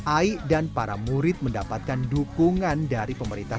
ai dan para murid mendapatkan dukungan dari pemerintah